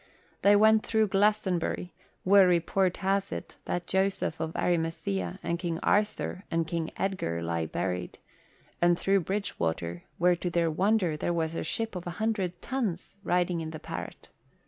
They went through Glastonbury, where report has it that Joseph of Arimathea and King Arthur and King Edgar lie buried, and through Bridgewater, where to their wonder there was a ship of a hundred tons riding in the Parret.